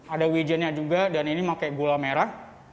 ada wijennya juga dan ini pakai gula merah